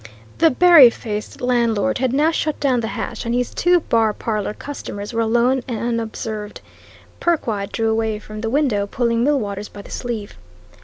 The berry faced landlord had now shut down the hatch, and his two bar parlour customers were alone and unobserved. Perkwite drew away from the window, pulling Millwaters by the sleeve.